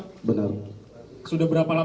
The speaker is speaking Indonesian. oh lo pindah kesana loh